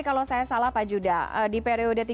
kalau saya salah pak judah di periode